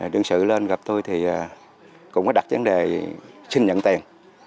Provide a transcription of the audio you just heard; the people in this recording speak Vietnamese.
đơn sử lên gặp tôi thì cũng có đặt chấn đề xin nhận tiền